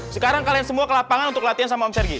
sekarang kalian semua ke lapangan untuk latihan sama om sergi